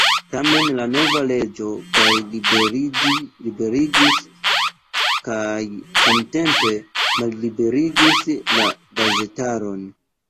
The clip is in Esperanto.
Tamen la nova leĝo kaj liberigis kaj samtempe malliberigis la gazetaron.